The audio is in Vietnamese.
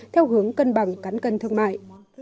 theo hướng cân bằng cắn cân thương mại